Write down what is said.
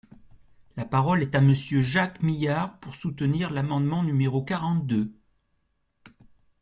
La parole est à Monsieur Jacques Myard, pour soutenir l’amendement numéro quarante-deux.